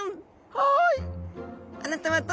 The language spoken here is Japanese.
「はい。